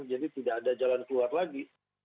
jadi tidak ada jalan keluar lagi